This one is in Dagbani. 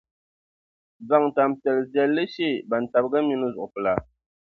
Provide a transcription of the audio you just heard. zaŋ tani piɛlli viɛlli she bantabiga minii zuɣupila.